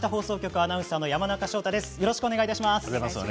アナウンサーの山中翔太です。